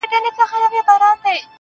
ما به د سترگو کټوري کي نه ساتل گلونه